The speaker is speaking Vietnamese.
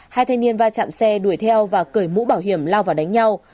hai thanh niên va chạm xe đuổi theo và cởi mũ bảo hiểm lao vào đánh nhau